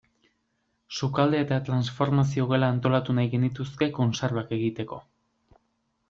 Sukaldea eta transformazio gela antolatu nahi genituzke kontserbak egiteko.